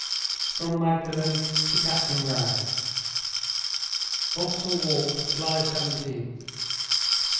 From Magdalen to Captain Wragge. "Vauxhall Walk, July 17th.